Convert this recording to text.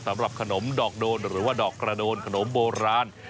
สำหรับขนมดอกโดนหรือว่าดอกกระโดนขนมโบราณ